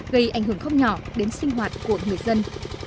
gây ảnh hưởng không nhỏ đến sinh hoạt của người dân